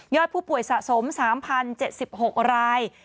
ผู้ป่วยสะสม๓๐๗๖ราย